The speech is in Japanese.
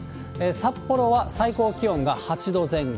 札幌は最高気温が８度前後。